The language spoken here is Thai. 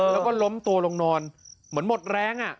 แล้วก็ล้มตัวลงนอนเหมือนหมดแรง